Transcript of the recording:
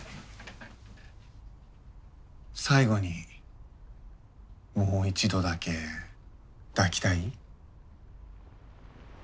最後にもう一度だけ抱きたい？